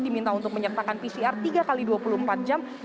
diminta untuk menyertakan pcr tiga x dua puluh empat jam